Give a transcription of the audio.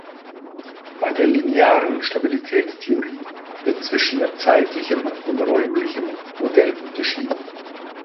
Bei der linearen Stabilitätstheorie wird zwischen zeitlichem und räumlichem Modell unterschieden.